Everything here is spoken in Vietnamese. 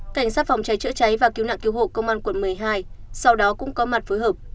cảnh sát phòng cháy chữa cháy và cứu nạn cứu hộ công an quận một mươi hai sau đó cũng có mặt phối hợp